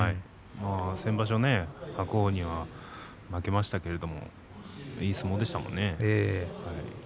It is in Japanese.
先場所、白鵬には負けましたけれどもいい相撲でしたものね。